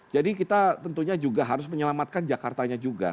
jadi kita tentunya juga harus menyelamatkan jakartanya juga